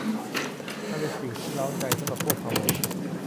มันเป็นสิ่งที่เร้าใจสำหรับพวกขโมย